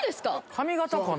髪形かな？